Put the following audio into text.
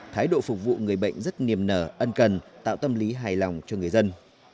thái độ phục vụ người bệnh rất niềm nở ân cần tạo tâm lý hài lòng cho người dân